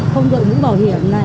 không đổi mũ bảo hiểm này